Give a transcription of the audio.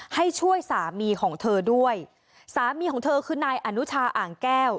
ให้ช่วยสามีของเธอด้วยสามีของเธอคือนายอนุชาอ่างแก้ว